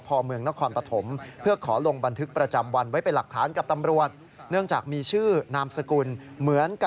เพื่อขอลงบันทึกประจำวันไว้ไปหลับทานกับตำรวจ